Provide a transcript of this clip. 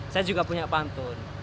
saya juga punya pantun